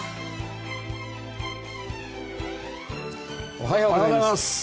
おはようございます。